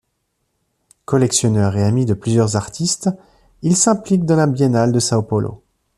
Collectionneur et ami de plusieurs artistes, il s'implique dans la Biennale de São Paulo.